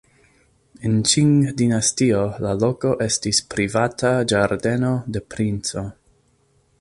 En Ĉing-dinastio la loko estis privata ĝardeno de princo.